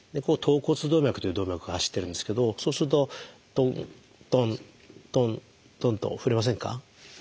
「橈骨動脈」という動脈が走ってるんですけどそうするとトントントントンと触れませんか？